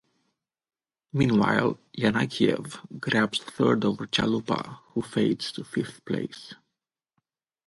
Meanwhile, Yanakiev grabs third over Chalupa who fades to fifth place.